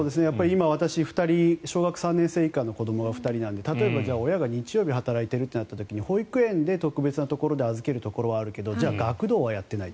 今、私は２人小学３年生以下の子どもが２人なので例えば親が日曜日働いてるとなったら保育園は預けるところはあるけど学童はやっていない。